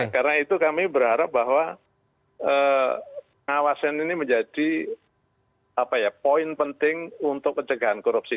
karena itu kami berharap bahwa kawasan ini menjadi poin penting untuk pencegahan korupsi